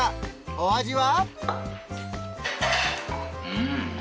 お味は？